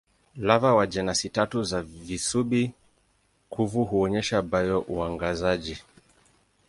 Lava wa jenasi tatu za visubi-kuvu huonyesha bio-uangazaji.